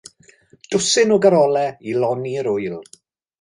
Dwsin o garolau i lonni'r Ŵyl.